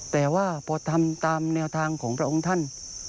แต่ว่าพอทำตามแนวทางของพระองค์ท่าน